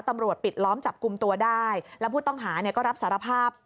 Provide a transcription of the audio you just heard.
ปิดล้อมจับกลุ่มตัวได้แล้วผู้ต้องหาเนี่ยก็รับสารภาพ